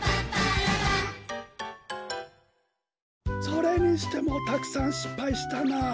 それにしてもたくさんしっぱいしたなあ。